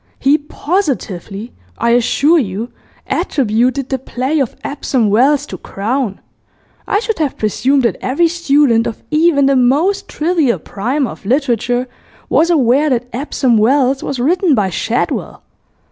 He positively, I assure you, attributed the play of "Epsom Wells" to Crowne! I should have presumed that every student of even the most trivial primer of literature was aware that "Epsom Wells" was written by Shadwell....